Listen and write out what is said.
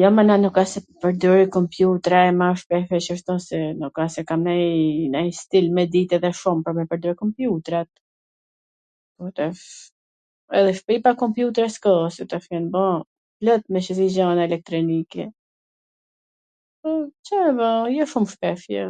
Jo, mo, na nuk asht se pwrdorim kompjutra e ma shpesh... nuk a se kam nai stil me dit edhe shum, pwr me pwrdor kompjutrat, tash edhe shpi pa kompjuter s ka se tash jan ba plot me gjana elektronike, po, Ca me ba? jo shum shpesh, jo.